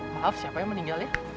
maaf siapa yang meninggal ya